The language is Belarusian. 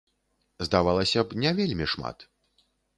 Здавалася б, не вельмі шмат?